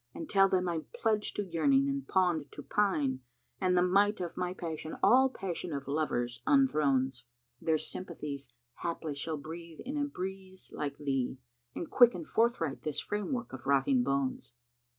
And tell them I'm pledged to yearning and pawned to pine * And the might of my passion all passion of lovers unthrones. Their sympathies haply shall breathe in a Breeze like thee * And quicken forthright this framework of rotting bones."